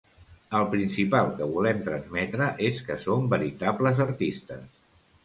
El principal que volem transmetre és que som veritables artistes.